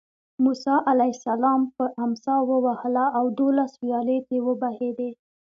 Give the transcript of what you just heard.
موسی علیه السلام په امسا ووهله او دولس ویالې ترې وبهېدې.